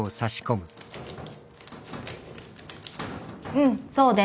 うんそうね。